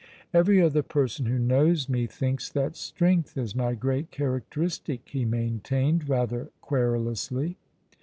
"Every other person who knows me thinks that strength is my great characteristic," he maintained, rather querulously.